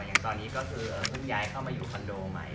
อย่างตอนนี้ก็คือเพิ่งย้ายเข้ามาอยู่คอนโดใหม่